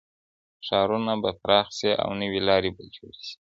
ښارونه به پراخ سي او نوي لاري به جوړ سي.